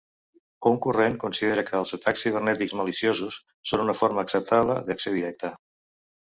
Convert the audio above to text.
Un corrent considera que els atacs cibernètics maliciosos són una forma acceptable d'acció directa.